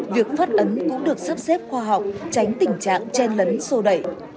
việc phát ấn cũng được sắp xếp khoa học tránh tình trạng chen lấn sô đẩy